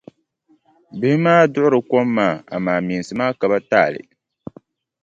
Bihi maa duɣiri kom maa amaa meensi maa ka ba taali.